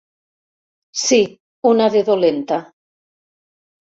Sí, una de dolenta.